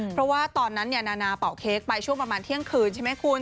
เพราะว่าตอนนั้นนานาเป่าเค้กไปช่วงประมาณเที่ยงคืนใช่ไหมคุณ